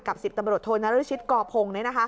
กับ๑๐ตำรวจโทนรชิตกพงศ์นี่นะคะ